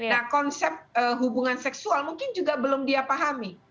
nah konsep hubungan seksual mungkin juga belum dia pahami